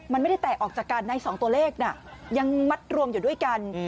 มันไม่ได้แตกออกจากกันใน๒ตัวเลขน่ะยังมัดรวมอยู่ด้วยกัน